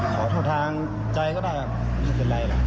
ขอโทษทางใจก็ได้ครับไม่เป็นไรล่ะ